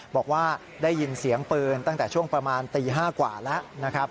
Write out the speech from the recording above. บอกว่าได้ยินเสียงปืนตั้งแต่ช่วงประมาณตี๕กว่าแล้วนะครับ